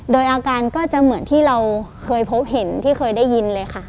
โดยอาการก็จะเหมือนที่เราเคยพบเห็นที่เคยได้ยินเลยค่ะ